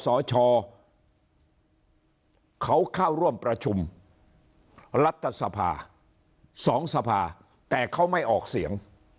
สชเขาเข้าร่วมประชุมรัฐสภา๒สภาแต่เขาไม่ออกเสียง